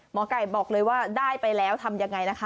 หมอไก่บอกเลยว่าได้ไปแล้วทำยังไงนะคะ